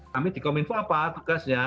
kami di kominfo apa tugasnya